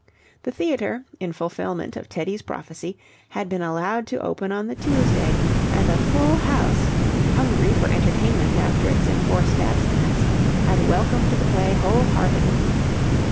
The theatre, in fulfilment of Teddy's prophecy, had been allowed to open on the Tuesday, and a full house, hungry for entertainment after its enforced abstinence, had welcomed the play wholeheartedly.